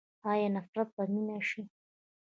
آیا نفرت به مینه شي؟